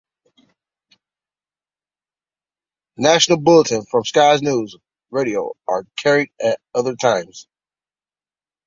National bulletins from Sky News Radio are carried at other times.